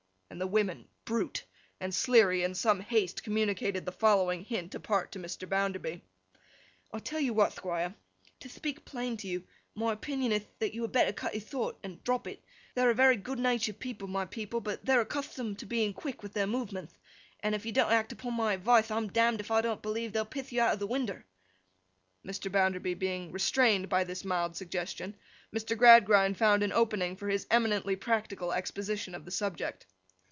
and the women 'Brute!' and Sleary, in some haste, communicated the following hint, apart to Mr. Bounderby. 'I tell you what, Thquire. To thpeak plain to you, my opinion ith that you had better cut it thort, and drop it. They're a very good natur'd people, my people, but they're accuthtomed to be quick in their movementh; and if you don't act upon my advithe, I'm damned if I don't believe they'll pith you out o' winder.' Mr. Bounderby being restrained by this mild suggestion, Mr. Gradgrind found an opening for his eminently practical exposition of the subject.